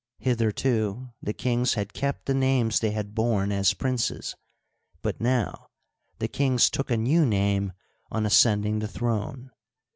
Hitherto the kings had kept the names they had borne as princes, but now the kings took a new name on ascending the throne.